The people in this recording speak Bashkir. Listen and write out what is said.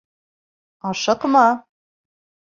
Ашыҡма...